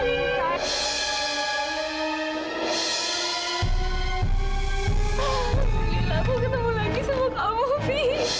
lila aku ketemu lagi sama kamu vy